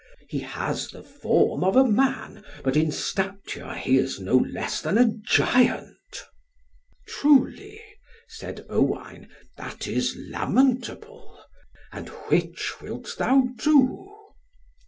{46a} He has the form of a man, but in stature he is no less than a giant." "Truly," said Owain, "that is lamentable. And which wilt thou do?"